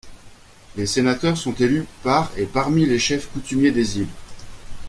Les Sénateurs sont élus par et parmi les chefs coutumiers des îles.